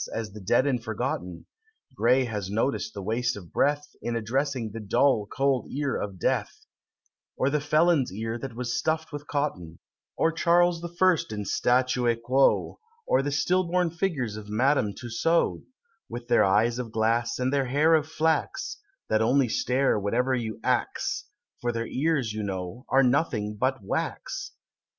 as the dead and forgotten (Gray has noticed the waste of breath, In addressing the "dull, cold ear of death"), Or the Felon's ear that was stuff'd with Cotton Or Charles the First in statue quo; Or the still born figures of Madame Tussaud, With their eyes of glass, and their hair of flax, That only stare whatever you "ax," For their ears, you know, are nothing but wax.